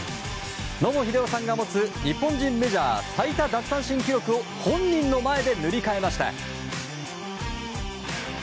野茂英雄さんが持つ日本人メジャー最多奪三振記録を本人の前で塗り替えました。